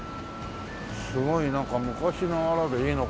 すごいなんか昔ながらでいいな。